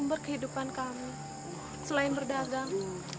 sumber kehidupan kami selain berdagang